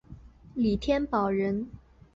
李添保人。